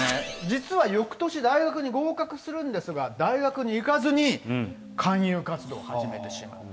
実はよくとし、大学に合格するんですが、大学に行かずに、勧誘活動を始めてしまう。